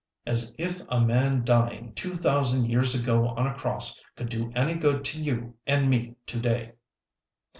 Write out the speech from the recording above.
As if a man dying two thousand years ago on a cross could do any good to you and me to day!"